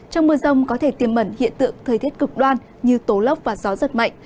trong mưa rông có thể tiềm mẩn hiện tượng thời tiết cực đoan như tố lốc và gió giật mạnh